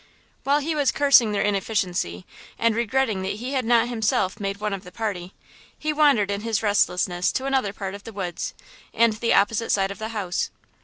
While he was cursing their inefficiency, and regretting that he had not himself made one of the party, he wandered in his restlessness to another part of the woods, and the opposite side of the house.